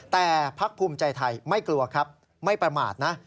แต่พักภูมิใจไทยไม่กลัวครับไม่ประมาทนะ